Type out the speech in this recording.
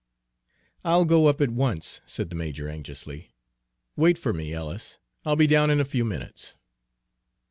"I'll go up at once," said the major anxiously. "Wait for me, Ellis, I'll be down in a few minutes."